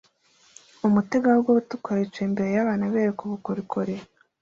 Umutegarugori utukura yicaye imbere yabantu abereka ubukorikori